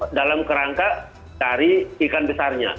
dalam kerangka cari ikan besarnya